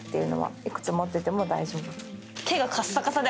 幾つ持ってても大丈夫。